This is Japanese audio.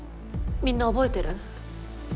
みんな覚えてる？